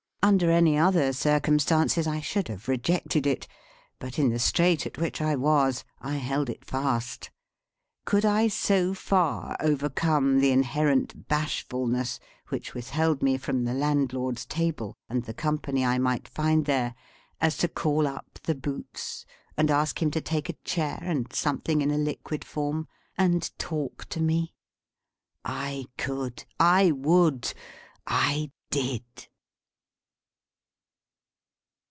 Under any other circumstances I should have rejected it; but, in the strait at which I was, I held it fast. Could I so far overcome the inherent bashfulness which withheld me from the landlord's table and the company I might find there, as to call up the Boots, and ask him to take a chair, and something in a liquid form, and talk to me? I could, I would, I did.